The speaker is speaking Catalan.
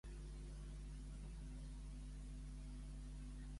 Què no va obtenir el document, però?